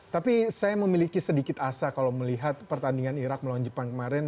tapi saya memiliki sedikit asa kalau melihat pertandingan irak melawan jepang kemarin